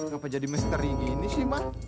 gapapa jadi misteri gini sih bang